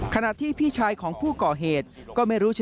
ขณะที่พี่ชายของผู้ก่อเหตุก็ไม่รู้จะ